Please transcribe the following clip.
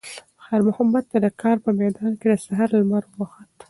خیر محمد ته د کار په میدان کې د سهار لمر وخوت.